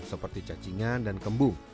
seperti cacingan dan kembung